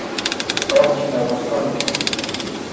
Or, qui n'avance pas recule.